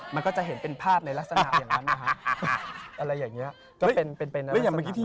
มันก็ทำให้ชีวิตเราดี